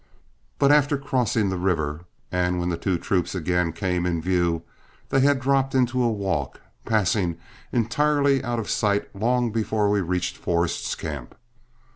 But after crossing the river, and when the two troops again came in view, they had dropped into a walk, passing entirely out of sight long before we reached Forrest's camp.